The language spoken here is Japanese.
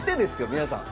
皆さん。